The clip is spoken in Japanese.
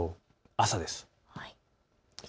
朝です。